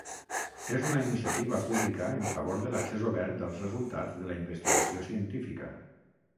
És una iniciativa pública en favor de l'accés obert als resultats de la investigació científica.